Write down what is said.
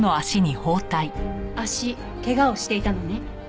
足けがをしていたのね。